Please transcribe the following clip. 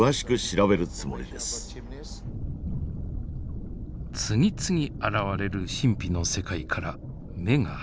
次々現れる神秘の世界から目が離せません。